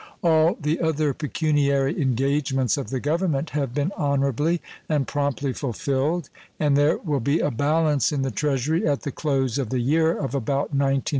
All the other pecuniary engagements of the Government have been honorably and promptly fulfilled, and there will be a balance in the Treasury at the close of the year of about $19,000,000.